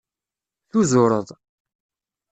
Tuzureḍ.